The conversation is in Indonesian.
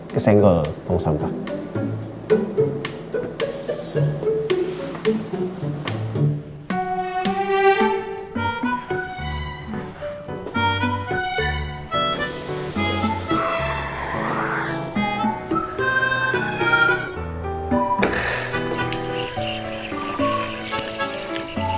kesenggol tong sampah